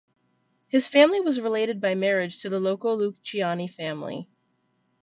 His family was related by marriage to the local Luciani family.